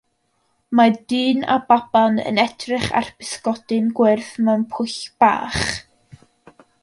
Mae dyn a baban yn edrych ar bysgodyn gwyrdd mewn pwll bach.